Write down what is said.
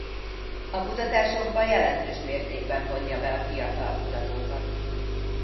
A kutatásokba jelentős mértékben vonja be a fiatal kutatókat.